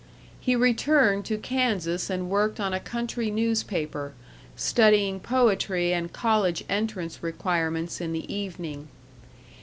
He returned to Kansas and worked on a country newspaper, studying poetry and college entrance requirements in the evening.